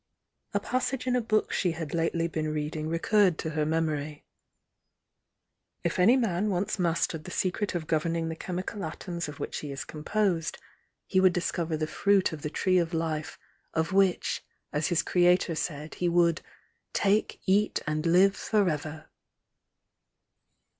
A passage in a book she had lately been reading recurred to her memory. "If any man once mastered the secret of govern ing the chemical atoms of which he is composed, he THE YOUNG DIANA SO would discover the fruit of the Tree of Life of which, as his Creator said, he would 'take, eat and live for ever!'